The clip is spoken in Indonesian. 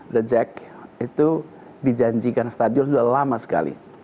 the jack itu dijanjikan stadion sudah lama sekali